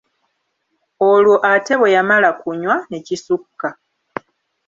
Leero ate bwe yamala kunywa ne kisukka.